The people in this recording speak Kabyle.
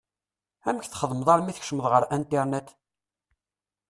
Amek txeddmeḍ armi tkeččmeḍ ɣer Internet?